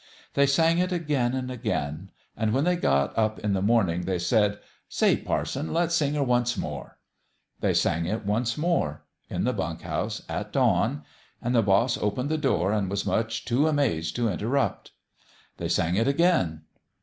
They sang it again and again ; and when they got up in the morn ing, they said :" Say, parson, let's sing her once more !" They sang it once more in the bunk house at dawn and the boss opened the door and was much too amazed to interrupt. They ON THE GRADE 219 sang it again.